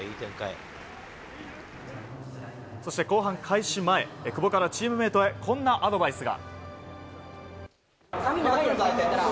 そして、後半開始前久保からチームメートへこんなアドバイスが。